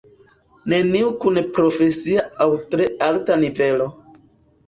Neniu kun profesia aŭ tre alta nivelo.